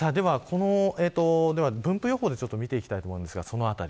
分布予報で見ていきたいと思います。